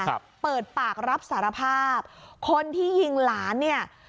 ครับเปิดปากรับสารภาพคนที่ยิงหลานเนี่ย